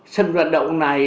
sân vận động này